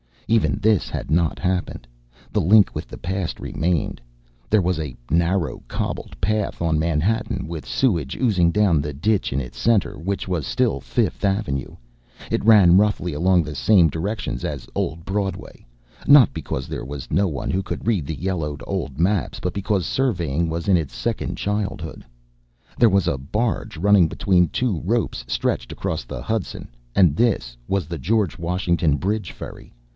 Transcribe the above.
Even this had not happened. The link with the past remained. There was a narrow, cobbled path on Manhattan, with sewage oozing down the ditch in its center, which was still Fifth Avenue. It ran roughly along the same directions as old Broadway, not because there was no one who could read the yellowed old maps but because surveying was in its second childhood. There was a barge running between two ropes stretched across the Hudson, and this was The George Washington Bridge ferry.